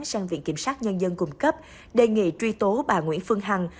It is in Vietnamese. sang viện kiểm sát nhân dân cung cấp đề nghị truy tố bà nguyễn phương hằng